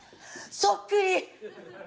そっくり！